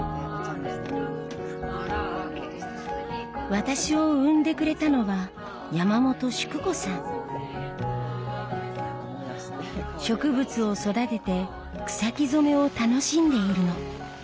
私を生んでくれたのは植物を育てて草木染めを楽しんでいるの。